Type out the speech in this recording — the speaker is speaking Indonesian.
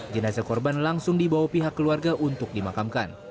jenazah korban langsung dibawa pihak keluarga untuk dimakamkan